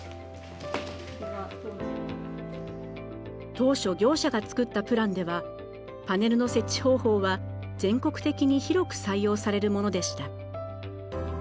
当初業者が作ったプランではパネルの設置方法は全国的に広く採用されるものでした。